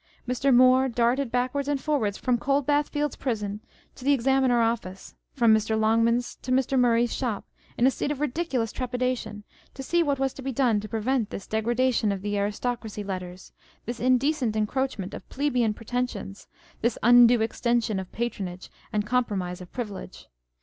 Mr. Moore darted backwards and forwards from Coldbath fields Prison to the Examiner Office, from Mr. Longman's to Mr. Murray's shop, in a state of ridicu lous trepidation, to see what was to be done to prevent On the Jealousy and the Spleen of Party. 533 this degradation of the aristocracy letters, this indecent encroachment of plebeian pretensions, this undue extension of patronage and compromise of privilege.